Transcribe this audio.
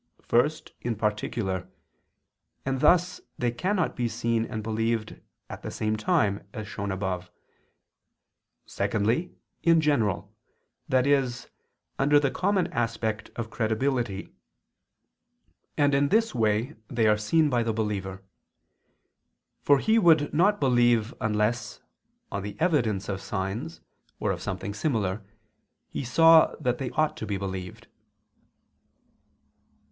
First, in particular; and thus they cannot be seen and believed at the same time, as shown above. Secondly, in general, that is, under the common aspect of credibility; and in this way they are seen by the believer. For he would not believe unless, on the evidence of signs, or of something similar, he saw that they ought to be believed.